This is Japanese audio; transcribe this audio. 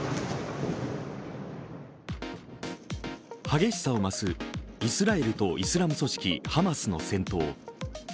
激しさを増すイスラエルとイスラム組織ハマスの戦闘。